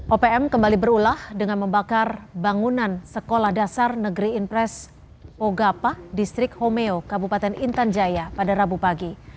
opm kembali berulah dengan membakar bangunan sekolah dasar negeri impres ogapa distrik homeo kabupaten intan jaya pada rabu pagi